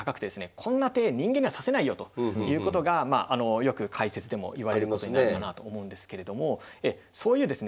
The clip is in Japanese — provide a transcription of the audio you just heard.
こんな手人間には指せないよということがよく解説でも言われることになるかなあと思うんですけれどもそういうですね